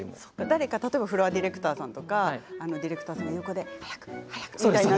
誰かフロアディレクターさんやディレクターさんが横で早く早くと。